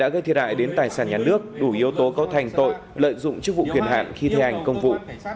khi đại đến tài sản nhà nước đủ yếu tố có thành tội lợi dụng chức vụ quyền hạn khi thề hành công vụ